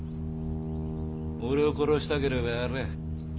俺を殺したければやれ。